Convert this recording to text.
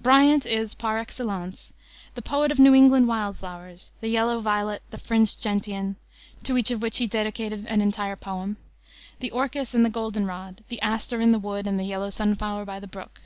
Bryant is, par excellence, the poet of New England wild flowers, the yellow violet, the fringed gentian to each of which he dedicated an entire poem the orchis and the golden rod, "the aster in the wood and the yellow sunflower by the brook."